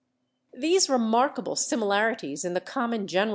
These remarkable similarities in the common general Man.